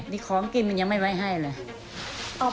นี่ของกินมันยังไม่ไว้ให้เลย